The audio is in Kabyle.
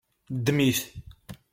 Ddem-it.